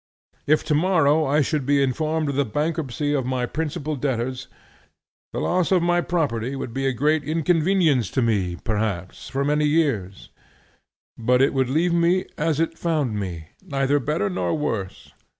If to morrow I should be informed of the bankruptcy of my principal debtors, the loss of my property would be a great inconvenience to me, perhaps, for many years; but it would leave me as it found me, neither better nor worse.